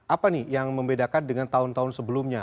apa nih yang membedakan dengan tahun tahun sebelumnya